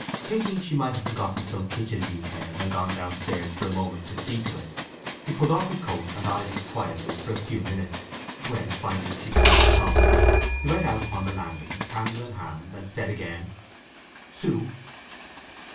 Thinking she might have forgotten some kitchen detail and gone downstairs for a moment to see to it, he pulled off his coat and idled quietly enough for a few minutes, when, finding she did not come, he went out upon the landing, candle in hand, and said again "Soo!"